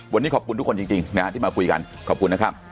วันนี้ขอบคุณทุกคนจริงนะฮะที่มาคุยกันขอบคุณนะครับ